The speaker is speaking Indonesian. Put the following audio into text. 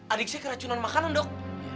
adik saya keracunan makanan dok